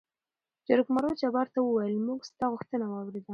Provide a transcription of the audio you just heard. جرګمارو جبار ته ووېل: موږ ستا غوښتنه وارېده.